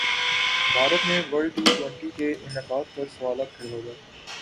بھارت میں world T twenty کے انعقاد پر سوالات کھڑے ہوگئے